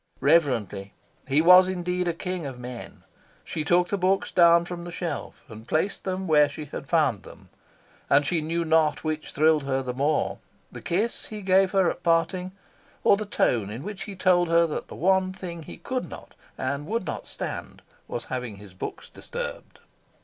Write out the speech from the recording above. Reverently he was indeed a king of men she took the books down from the shelf, and placed them where she had found them. And she knew not which thrilled her the more the kiss he gave her at parting, or the tone in which he told her that the one thing he could not and would not stand was having his books disturbed.